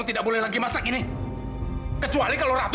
itu sama sekali salah